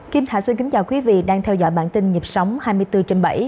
kim thả xin kính chào quý vị đang theo dõi bản tin nhịp sống hai mươi bốn trên bảy